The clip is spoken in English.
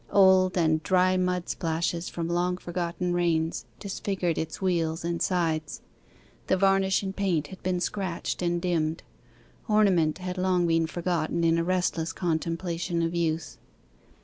Old and dry mud splashes from long forgotten rains disfigured its wheels and sides; the varnish and paint had been scratched and dimmed; ornament had long been forgotten in a restless contemplation of use.